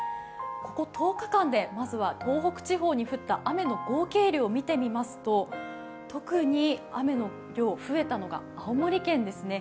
ここ１０日間で、まずは東北地方に降った雨の合計量を見てみますと、特に雨の量、増えたのが青森県ですね。